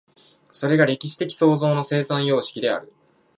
それが歴史的創造の生産様式である。